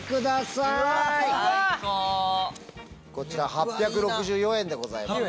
こちら８６４円でございます。